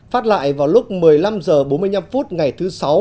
phát lại vào lúc một mươi năm h bốn mươi năm phút ngày thứ sáu